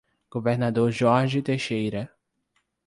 Governador Jorge Teixeira